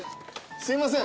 すいません。